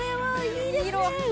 いい色！